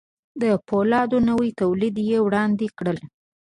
د پولادو نوي توليدات يې وړاندې کړل.